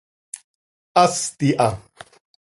Hast iha.